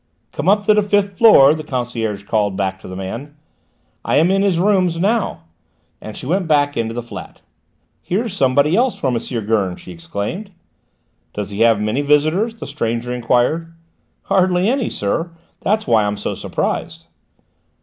"Come up to the fifth floor," the concierge called back to the man. "I am in his rooms now," and she went back into the flat. "Here's somebody else for M. Gurn," she exclaimed. "Does he have many visitors?" the stranger enquired. "Hardly any, sir: that's why I'm so surprised."